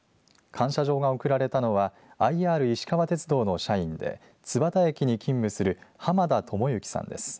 感謝状が贈られたのはＩＲいしかわ鉄道の社員で津幡駅に勤務する濱田知幸さんです。